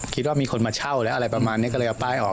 คิดว่ามีคนมาเช่าแล้วอะไรประมาณนี้ก็เลยเอาป้ายออก